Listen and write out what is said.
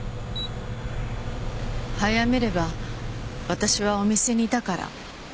早めれば私はお店にいたから。